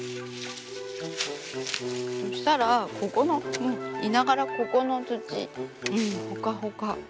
そしたらここのいながらここの土ほかほか。